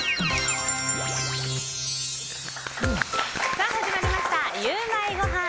さあ、始まりましたゆウマいごはん。